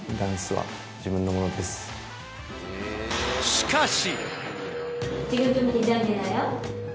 しかし。